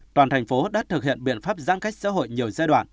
toàn thành phố đã thực hiện biện pháp giãn cách xã hội nhiều giai đoạn